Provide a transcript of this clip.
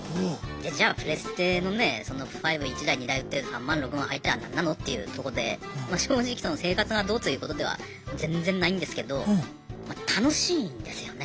じゃあプレステのねえ５１台２台売って３万６万入った何なの？っていうとこで正直生活がどうということでは全然ないんですけど楽しいんですよね。